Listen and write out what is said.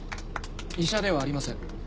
医者ではありません。